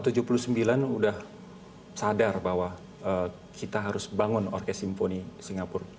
singapura tahun seribu sembilan ratus tujuh puluh sembilan sudah sadar bahwa kita harus bangun orkest symphony singapura